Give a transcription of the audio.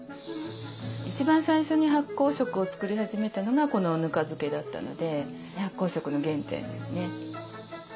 一番最初に発酵食を作り始めたのがこのぬか漬けだったので発酵食の原点ですね。